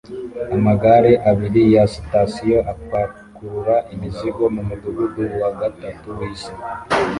Amagare abiri ya sitasiyo apakurura imizigo mumudugudu wa gatatu wisi